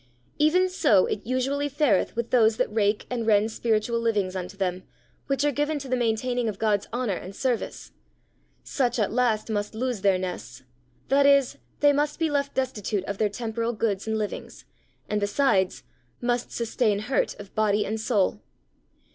Even so it usually fareth with those that rake and rend spiritual livings unto them, which are given to the maintaining of God's honour and service; such at last must lose their nests, that is, they must be left destitute of their temporal goods and livings, and besides, must sustain hurt of body and soul.